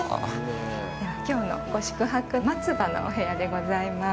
では、きょうのご宿泊「松葉」のお部屋でございます。